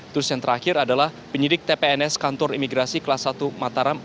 terus yang terakhir adalah penyidik tpns kantor imigrasi kelas satu mataram